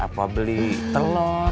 atau beli telor